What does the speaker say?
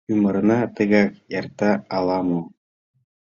Ӱмырна тыгак эрта ала-мо.